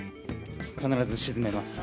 必ず沈めます。